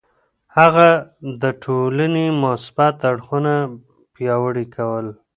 هغه د ټولنې مثبت اړخونه پياوړي کول.